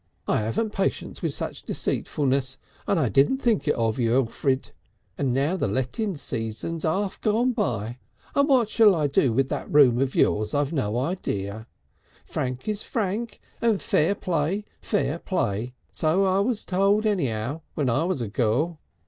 I 'aven't patience with such deceitfulness, and I didn't think it of you, Elfrid. And now the letting season's 'arf gone by, and what I shall do with that room of yours I've no idea. Frank is frank, and fair play fair play; so I was told any'ow when I was a girl.